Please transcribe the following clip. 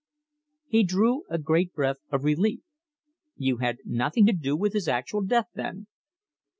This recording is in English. He drew a great breath of relief. "You had nothing to do with his actual death, then?"